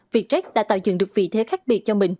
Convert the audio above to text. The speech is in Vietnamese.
vietjet đã tạo dựng được vị thế khác biệt cho mình